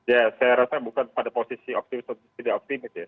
ya saya rasa bukan pada posisi optimis atau tidak optimis ya